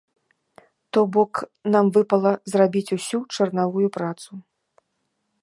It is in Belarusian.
То бок, нам выпала зрабіць усю чарнавую працу.